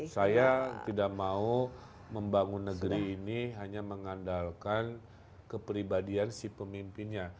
saya tidak mau membangun negeri ini hanya mengandalkan kepribadian si pemimpinnya